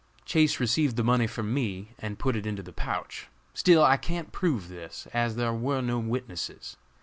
Chase received the money from me and put it into the pouch! Still, I can't prove this, as there were no witnesses.